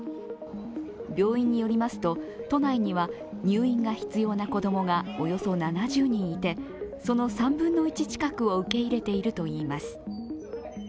病院によりますと、都内には入院が必要な子供がおよそ７０人いてその３分の１近くを受け入れているといいます。